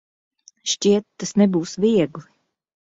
Šķiet, tas nebūs viegli.